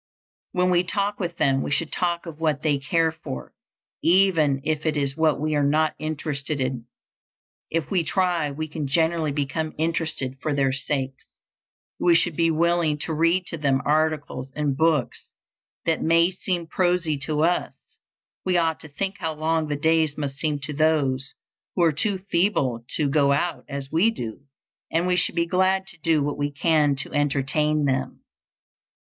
When we talk with them we should talk of what they care for, even if it is what we are not interested in. If we try, we can generally become interested for their sakes. We should be willing to read to them articles and books that may seem prosy to us; we ought to think how long the days must seem to those who are too feeble to go out as we do, and we should be glad to do what we can to entertain them.